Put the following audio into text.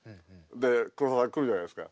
で黒澤さん来るじゃないですか。